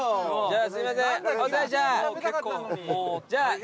じゃあ。